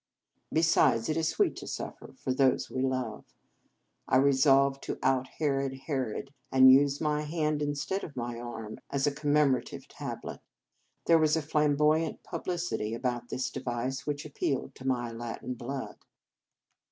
Besides, it is sweet to suffer for those we love. I resolved to out herod Herod, and use my hand instead of my arm as a commemora tive tablet. There was a flamboyant publicity about this device which ap pealed to my Latin blood.